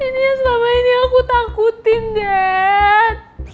ini yang selama ini aku takutin dad